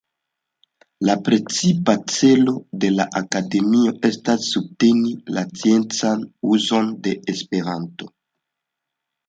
La precipa celo de la akademio estas subteni la sciencan uzon de Esperanto.